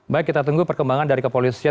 baik kita tunggu perkembangan dari kepolisian